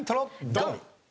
ドン！